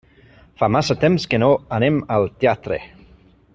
Fa massa temps que no anem al teatre.